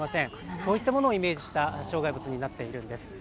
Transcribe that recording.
そういったものをイメージした障害物になっているんです。